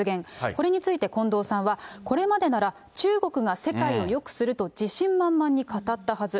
これについて近藤さんは、これまでなら、中国が世界をよくすると自信満々に語ったはず。